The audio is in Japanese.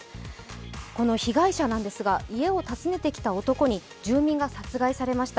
この被害者ですが、家を訪ねてきた男に住民が殺害されました。